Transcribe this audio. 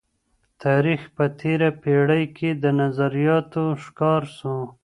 تاریخ په تیره پیړۍ کي د نظریاتو ښکار سو.